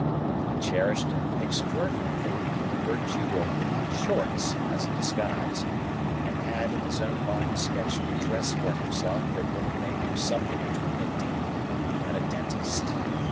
He cherished an extraordinary belief in the virtues of "shorts" as a disguise, and had in his own mind sketched a dress for himself that would have made him something between a dean and a dentist.